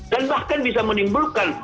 dan bahkan bisa menimbulkan